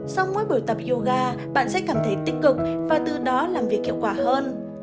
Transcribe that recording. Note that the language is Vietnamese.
sau mỗi buổi tập yoga bạn sẽ cảm thấy tích cực và từ đó làm việc hiệu quả hơn